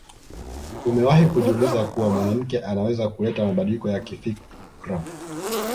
Umewahi kujiuliza kuwa mwanamke anaweza kuleta mabadiliko ya kifikra